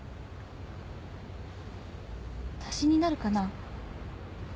足しになるかな？